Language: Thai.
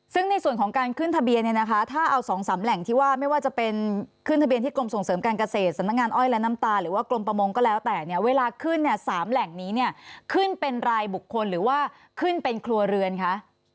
ซึ่งในส่วนของการขึ้นทะเบียนเนี่ยนะคะถ้าเอา๒๓แหล่งที่ว่าไม่ว่าจะเป็นขึ้นทะเบียนที่กรมส่งเสริมการเกษตรสำนักงานอ้อยและน้ำตาหรือว่ากรมประมงก็แล้วแต่เนี่ยเวลาขึ้นเนี่ย๓แหล่งนี้เนี่ยขึ้นเป็นรายบุคคลหรือว่าขึ้นเป็นครัวเรือนคะ